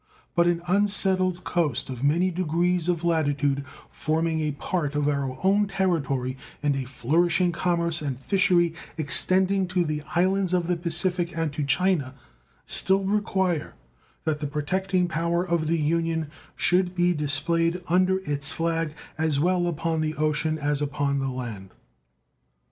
But an unsettled coast of many degrees of latitude forming a part of our own territory and a flourishing commerce and fishery extending to the islands of the Pacific and to China still require that the protecting power of the Union should be displayed under its flag as well upon the ocean as upon the land.